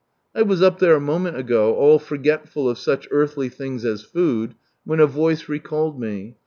I was up there a moment ago, all forgetful of such earthly things as food, when a voice recalled me.